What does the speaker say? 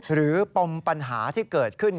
หรือปรมปัญหาที่เกิดขึ้น